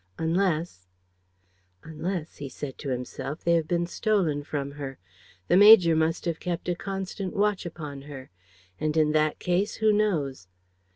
Unless: "Unless," he said to himself, "they have been stolen from her. The major must have kept a constant watch upon her. And, in that case, who knows?"